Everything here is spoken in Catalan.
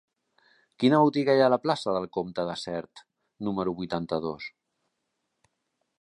Quina botiga hi ha a la plaça del Comte de Sert número vuitanta-dos?